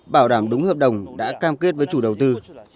bảo đảm đúng hợp đồng đã cam kết với chủ đầu tư